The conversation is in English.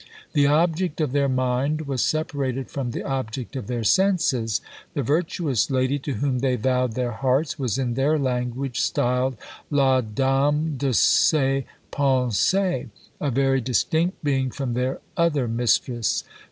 The object of their mind was separated from the object of their senses; the virtuous lady to whom they vowed their hearts was in their language styled "la dame de ses pensées," a very distinct being from their other mistress!